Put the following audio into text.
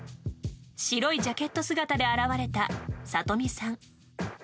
白いジャケット姿で現れた里見さん。